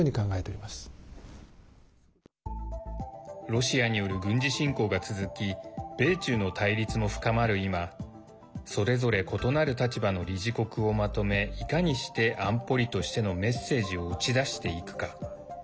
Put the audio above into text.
ロシアによる軍事侵攻が続き米中の対立も深まる今それぞれ異なる立場の理事国をまとめ、いかにして安保理としてのメッセージを打ち出していくか。